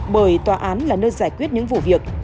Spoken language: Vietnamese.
bởi tòa án là nơi giải quyết những vụ việc